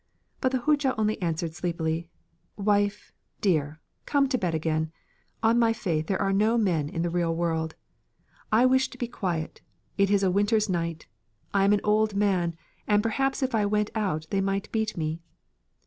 But the Hodja only answered sleepily: 'Wife, dear, come to bed again; on my faith there are no men in the world; I wish to be quiet; it is a winter's night. I am an old man, and perhaps if I went out they might beat me.'